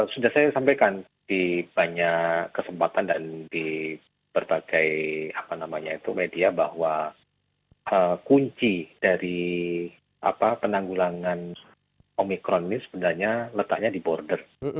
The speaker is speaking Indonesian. sudah saya sampaikan di banyak kesempatan dan di berbagai media bahwa kunci dari penanggulangan omikron ini sebenarnya letaknya di border